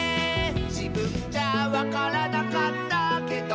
「じぶんじゃわからなかったけど」